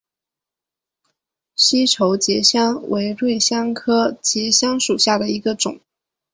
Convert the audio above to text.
西畴结香为瑞香科结香属下的一个种。